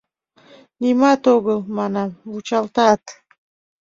— Нимат огыл, — манам, — вучалтат.